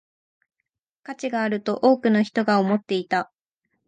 価値があると多くの人が思っていた